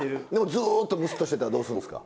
ずっとムスッとしてたらどうするんですか？